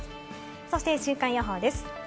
そして週間予報です。